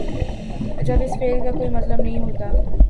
جب اس فعل کا کوئی مطلب نہیں ہوتا۔